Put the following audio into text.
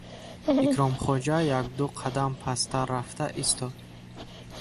Икромхоҷа як-ду қадам пасттар рафта истод.